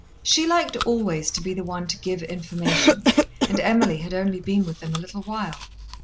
She liked always to be the one to give information, and Emily had only been with them a little while.